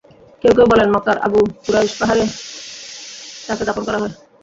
কেউ কেউ বলেন, মক্কার আবু কুবায়স পাহাড়ে তাকে দাফন করা হয়।